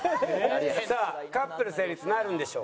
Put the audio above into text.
さあカップル成立なるんでしょうか？